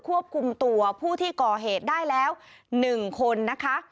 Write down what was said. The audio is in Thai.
ควบคุมตัวผู้ที่ก่อเหตุได้แล้ว๑คนนะคะ